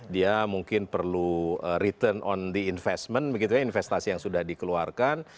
dia mungkin perlu return on the investment begitu ya investasi yang sudah dikeluarkan